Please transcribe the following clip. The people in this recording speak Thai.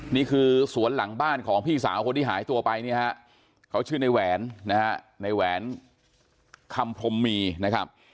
นี่คือสวนหลังบ้านของพี่สาวคนที่หายตัวไปเนี่ยฮะเขาชื่อในแหวนนะฮะในแหวนคำพรมมีนะครับ